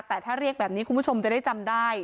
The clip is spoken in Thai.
แต่ถ้าเรียกแบบนี้คุณผู้ชมจะได้จำได้